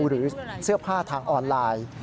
หรือเสื้อผ้าทางออนไลน์